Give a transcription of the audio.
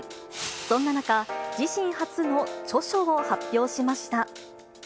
そんな中、自身初の著書を発表しました。